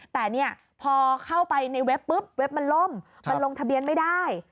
แต่เนี่ยพอเข้าไปในเว็บปุ๊บเว็บมันล่มมันลงทะเบียนไม่ได้